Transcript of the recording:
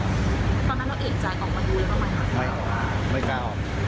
ไม่ไม่กล้าออก